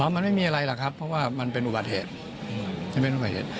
มันไม่มีอะไรหรอกครับเพราะว่ามันเป็นอุบัติเหตุ